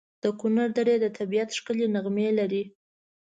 د کنړ درې د طبیعت ښکلي نغمې لري.